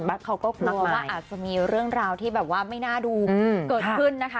เขาก็กลัวว่าอาจจะมีเรื่องราวที่แบบว่าไม่น่าดูเกิดขึ้นนะคะ